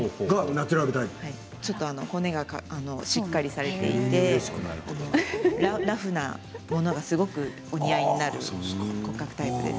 骨がしっかりされていてラフなものがすごくお似合いになる骨格タイプです。